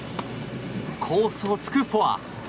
コースを突くフォア。